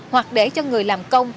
hoặc để cho người làm công